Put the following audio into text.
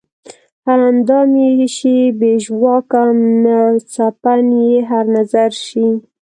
هر اندام ئې شي بې ژواکه مړڅپن ئې هر نظر شي